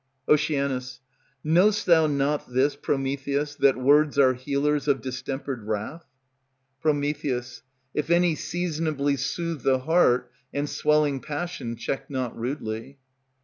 Oc. Know'st thou not this, Prometheus, that Words are healers of distempered wrath? Pr. If any seasonably soothe the heart, And swelling passion check not rudely.